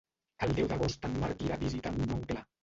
El deu d'agost en Marc irà a visitar mon oncle.